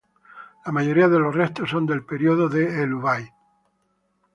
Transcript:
La mayoría de los restos son del período de el-Ubaid.